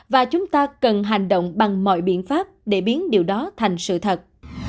và chúng ta cần hành động bằng mọi biện pháp để biến điều đó thành sự thật